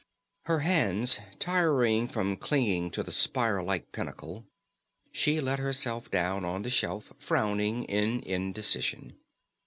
Her hands tiring from clinging to the spire like pinnacle, she let herself down on the shelf, frowning in indecision.